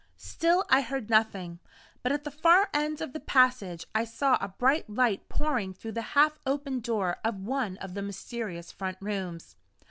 Still I heard nothing; but at the far end of the passage I saw a bright light pouring through the half opened door of one of the mysterious front rooms.